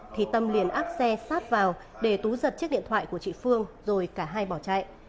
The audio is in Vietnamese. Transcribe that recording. thì tâm liền áp xe sát vào để tú giật chiếc điện thoại của chị phương rồi cả hai bỏ chạy